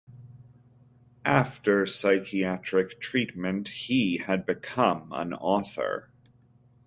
After psychiatric treatment, he had become an author.